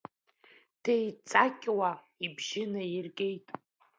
Деиҵақьуа ибжьы наиргеит…